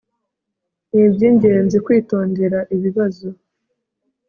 nibyingenzi kwitondera ibibazo